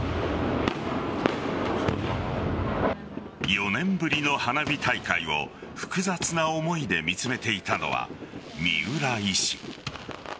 ４年ぶりの花火大会を複雑な思いで見つめていたのは三浦医師。